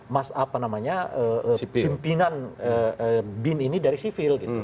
mas pimpinan bin ini dari sivil